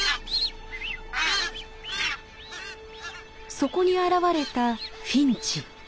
そこに現れたフィンチ。